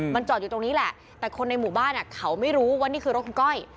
มันจอดอยู่ตรงนี้แหละแต่คนในหมู่บ้านเขาไม่รู้ว่านี่คือรถคุณก้อย